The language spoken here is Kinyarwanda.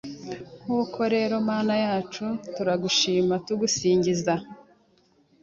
Nuko rero Mana yacu turagushima dusingiza